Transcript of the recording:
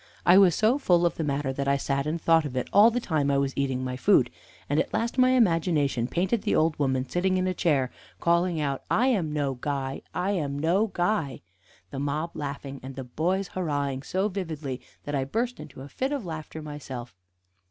I was so full of the matter that I sat and thought of it all the time I was eating my food; and at last my imagination painted the old woman sitting in a chair, calling out, "I am no guy! I am no guy!" the mob laughing, and the boys hurrahing so vividly that I burst into a fit of laughter myself.